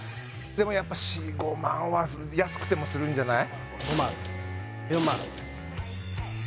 でもやっぱは安くてもするんじゃない？